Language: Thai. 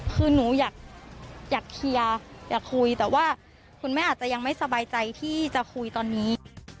คือหนูอยากเคลียร์อยากคุยแต่ว่าคุณแม่อาจจะยังไม่สบายใจที่จะคุยตอนนี้